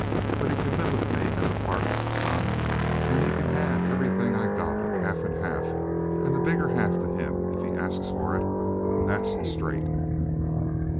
But he can live with me as a partner, son, and he can have everything I got, half and half, and the bigger half to him if he asks for it. That's straight!"